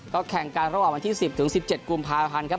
ก็แข่งกันระหว่างวันที่๑๐ถึง๑๗กุมภาพันธ์ครับ